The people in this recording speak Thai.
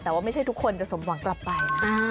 แต่ว่าไม่ใช่ทุกคนจะสมหวังกลับไปนะ